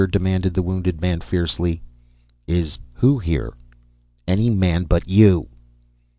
demanded the wounded man fiercely. "Is who here?" "Any man but you."